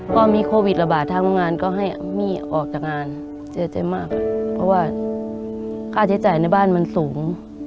พอมีโควิดระบาดทางโรงงานก็ให้มี่ออกจากงานเสียใจมากค่ะเพราะว่าค่าใช้จ่ายในบ้านมันสูง